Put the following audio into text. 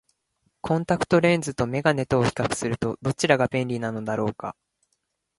コンタクトレンズと眼鏡とを比較すると、どちらが便利なのだろうか。